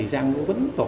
giang vẫn tỏ